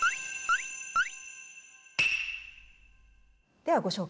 ではご紹介